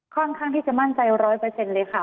ค่อนข้างที่จะมั่นใจ๑๐๐เลยค่ะ